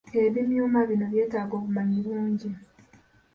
Ebimyuma bino byetaaga obumanyi bungi.